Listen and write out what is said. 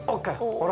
ほら！